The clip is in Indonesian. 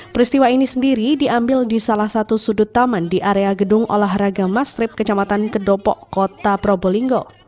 peristiwa ini sendiri diambil di salah satu sudut taman di area gedung olahraga mastrip kecamatan kedopo kota probolinggo